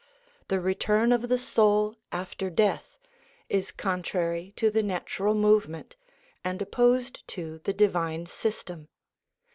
The return of the soul after death is contrary to the natural movement, and opposed to the divine system.